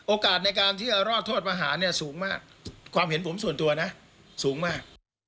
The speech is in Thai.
โอกาสในการที่จะรอดโทษประหารเนี่ยสูงมากความเห็นผมส่วนตัวนะสูงมาก